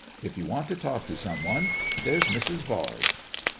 If you want to talk to some one, there's Mr Yard."